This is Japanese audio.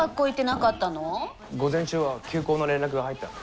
午前中は休校の連絡が入ったんだ。